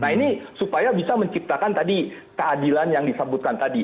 nah ini supaya bisa menciptakan tadi keadilan yang disebutkan tadi